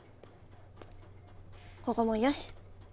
ここもよし。